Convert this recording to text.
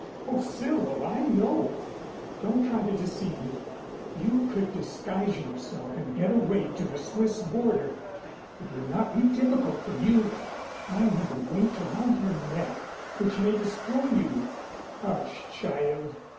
O Cyril, I know. Don't try to deceive me. You could disguise yourself and get away to the Swiss border. It would not be difficult for you. I am a weight around your neck which may destroy you." "Hush, child."